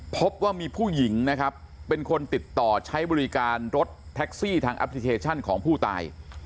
พบว่ามีผู้หญิงนะครับเป็นคนติดต่อใช้บริการรถแท็กซี่ทางแอปพลิเคชันของผู้ตาย